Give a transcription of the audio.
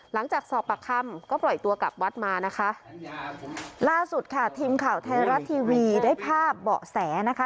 หลังจากสอบปากคำก็ปล่อยตัวกลับวัดมานะคะล่าสุดค่ะทีมข่าวไทยรัฐทีวีได้ภาพเบาะแสนะคะ